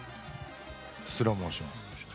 「スローモーション」。